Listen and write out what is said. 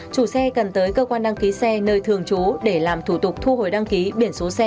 chủ xe cần tới cơ quan đăng ký xe nơi thường trú để làm thủ tục thu hồi đăng ký biển số xe